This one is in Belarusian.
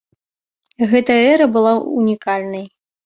Гэта эра была ўнікальнай.